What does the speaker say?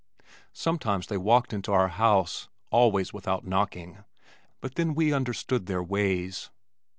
Sometimes they walked into our house, always without knocking but then we understood their ways.